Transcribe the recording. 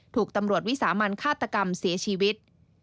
ถูกตำรวจวิสามันฆาตกรรมเสียชีวิต